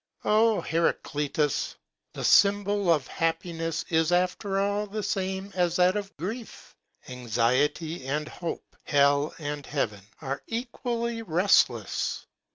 O Heraclitus! the symbol of happiness is after all the same as that of grief ; anxiety and hope, hell and heaven, are equally restless.